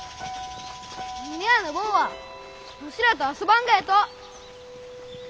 峰屋の坊はわしらと遊ばんがやと！